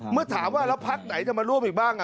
เมื่อถามว่าแล้วพักไหนจะมาร่วมอีกบ้าง